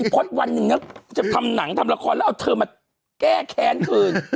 พดวันหนึ่งจะทำหนังทำละครแล้วเอาเธอมาแก้แค้นคืน